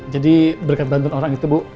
berkat bantuan orang itu bu